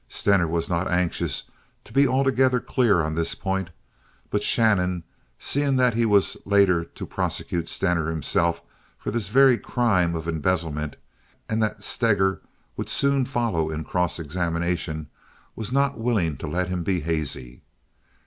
Stener was not anxious to be altogether clear on this point; but Shannon, seeing that he was later to prosecute Stener himself for this very crime of embezzlement, and that Steger would soon follow in cross examination, was not willing to let him be hazy.